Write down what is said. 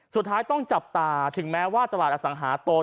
สุดท้ายต้องจับตาถึงแม้ว่าตลาดอสังหาโต